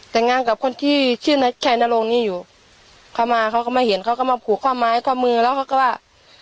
แต่งงานกับคนที่ชื่อชัยนรงค์นี่อยู่เขามาเขาก็มาเห็นเขาก็มาผูกข้อไม้ข้อมือแล้วเขาก็ว่า